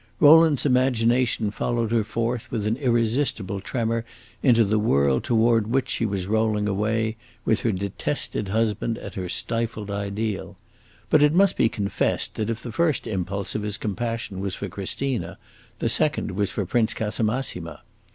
Rowland's imagination followed her forth with an irresistible tremor into the world toward which she was rolling away, with her detested husband and her stifled ideal; but it must be confessed that if the first impulse of his compassion was for Christina, the second was for Prince Casamassima.